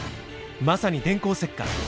まさに電光石火。